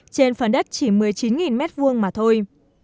trên phần đất chỉ một mươi chín m hai mà thôi